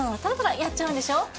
たらたらやっちゃうんでしょ？